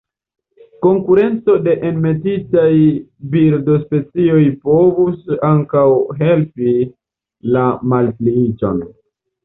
Konkurenco de enmetitaj birdospecioj povus ankaŭ helpi la malpliiĝon.